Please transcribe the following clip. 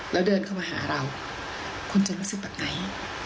แล้วเดินเข้ามาหาเราคุณจะรู้สึกแบบไหน